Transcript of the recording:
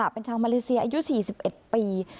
เป็นชาวมาเลเซียอายุ๔๑ปี